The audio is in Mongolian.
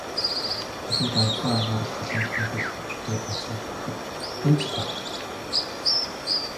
Тэдэнд онцгой анхаарал халамж хандуулах хэрэгтэй байсаар байхад хэн ч тоохгүй.